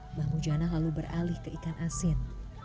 mbah mujana lalu beralih ke ikan asin